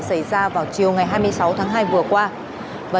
xảy ra vào chiều ngày hai mươi sáu tháng hai vừa qua